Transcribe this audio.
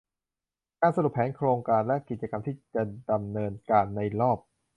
การสรุปแผนโครงการและกิจกรรมที่จะดำเนินการในรอบ